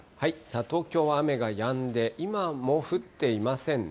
東京は雨がやんで、今もう降っていませんね。